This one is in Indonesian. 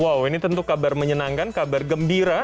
wow ini tentu kabar menyenangkan kabar gembira